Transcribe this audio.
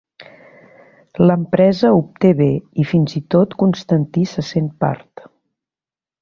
L'empresa obté bé i fins i tot Constantí se sent part.